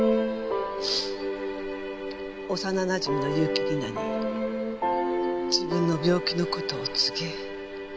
幼なじみの結城里奈に自分の病気の事を告げ。